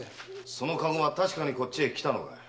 その駕籠は確かにこっちへ来たのかい？